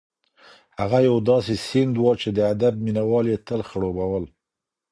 هغه یو داسې سیند و چې د ادب مینه وال یې تل خړوبول.